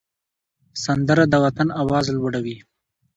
سندره د وطن آواز لوړوي